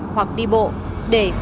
hoặc là tìm những người đi xe máy xe đạp